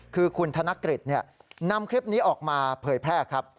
คือคุณธนกฤษนำคลิปนี้ออกมาเผยแพร่ครับ